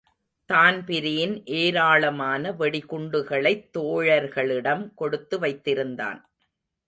Dan Breen ஏராளமான வெடிகுண்டுகளைத் தோழர்களிடம் கொடுத்து வைத்திருந்தான்.